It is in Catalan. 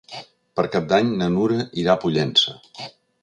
Per Cap d'Any na Nura irà a Pollença.